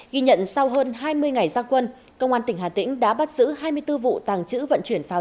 ghi nhận sau hơn hai mươi ngày gia quân công an tỉnh hà tĩnh đã bắt giữ hai mươi bốn vụ tàng trữ vận chuyển pháo